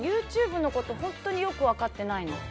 ＹｏｕＴｕｂｅのことよく分かってない。